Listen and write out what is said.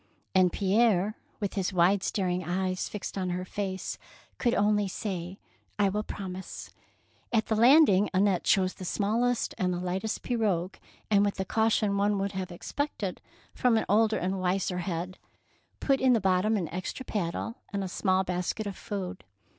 '* And Pierre, with his wide staring eyes fixed on her face, could only say,— " I will promise." At the landing Annette chose the smallest and lightest pirogue, and, with the caution one would have expected 212 THE PEAEL NECKLACE from an older and wiser head, put in the bottom an extra paddle and a small basket of food.